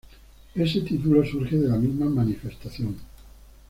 Ese título surge de la misma Manifestación.